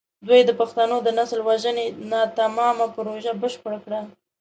دوی د پښتنو د نسل وژنې ناتمامه پروژه بشپړه کړه.